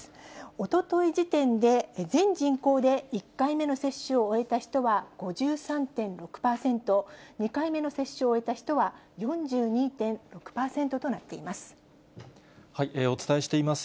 おととい時点で、全人口で１回目の接種を終えた人は５３．６％、２回目の接種を終えた人は４２．６％となっています。